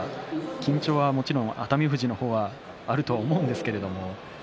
緊張ももちろん熱海富士はあると思うんですが。